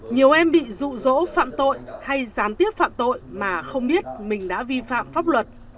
nhiều em bị rụ rỗ phạm tội hay gián tiếp phạm tội mà không biết mình đã vi phạm pháp luật